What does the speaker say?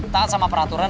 taat sama peraturan